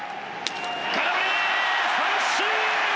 空振り三振！